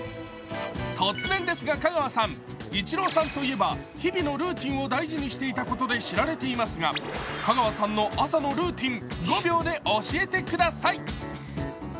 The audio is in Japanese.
突然ですが香川さんイチローさんといえば日々のルーティンを大事にしていることで知られていますが、香川さんの朝のルーティン、５秒で教えてください。